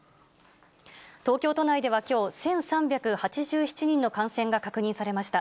東京都内ではきょう、１３８７人の感染が確認されました。